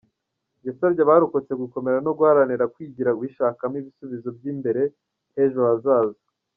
Yasabye abarokotse gukomera no guharanira kwigira bishakamo ibisubizo by’imbere h’ejo hazaza.